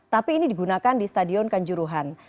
tapi ini digunakan di stadion kanjuruhan